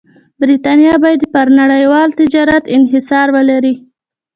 برېټانیا باید پر نړیوال تجارت انحصار ولري.